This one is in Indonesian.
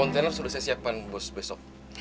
kontainer sudah saya siapkan bos besok